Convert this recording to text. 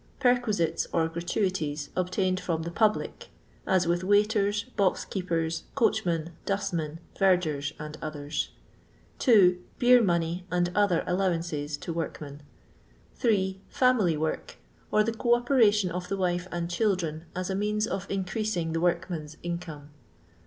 Perquisites or gratuities obtained from the public; as with waiters, boxkeepers, coach men, dustmen, vergers, and others. 2. Beer money, and other " allowances " to workmen. 3. Family work ; or the co operation of the wife and children as a means of increasing the workman's income.